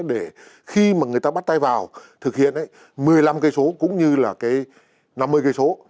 để khi mà người ta bắt tay vào thực hiện một mươi năm cây số cũng như là cái năm mươi km